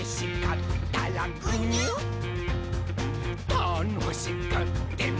「たのしくっても」